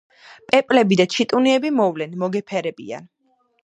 პეპლები და ჩიტუნები მოვლენ მოგეფერებიან.